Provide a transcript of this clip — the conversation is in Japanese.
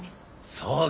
そうか